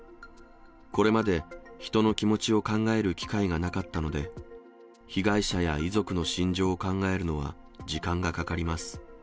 これまで人の気持ちを考える機会がなかったので、被害者や遺族の心情を考えるのは、時間がかかります。